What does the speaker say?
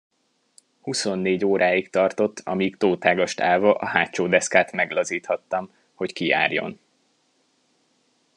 Huszonnégy óráig tartott, amíg tótágast állva a hátsó deszkát meglazíthattam, hogy kijárjon.